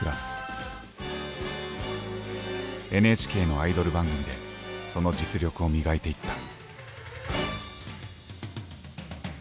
ＮＨＫのアイドル番組でその実力を磨いていった。